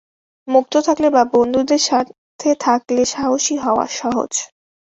মুক্ত থাকলে বা বন্ধুদের সাথে থাকলে সাহসী হওয়া সহজ।